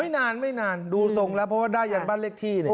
นานไม่นานดูทรงแล้วเพราะว่าได้ยังบ้านเลขที่เนี่ย